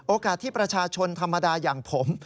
โอกาสที่ประชาชนธรรมดาอย่างผม